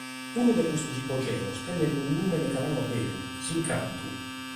Unu de custos ipogeos tenet unu nùmene galanu a beru: “S’Incantu“.